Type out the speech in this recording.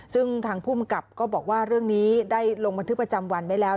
ซึ่งทางภูมิกับก็บอกว่าเรื่องนี้ได้ลงบันทึกประจำวันไว้แล้ว